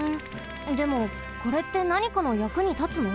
でもこれってなにかのやくにたつの？